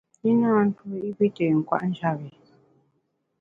I na ntuo tuo i pi té nkwet njap bi.